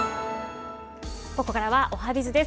ここからはおはＢｉｚです。